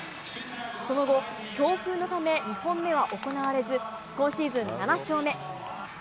その後、強風のため２本目は行われず今シーズン７勝目。